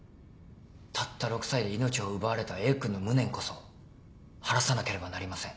たった６歳で命を奪われたＡ君の無念こそ晴らさなければなりません。